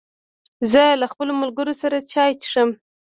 زه له خپلو ملګرو سره چای څښم.